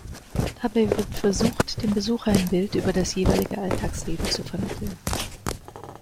Dabei wird versucht, dem Besucher ein Bild über das jeweilige Alltagsleben zu vermitteln.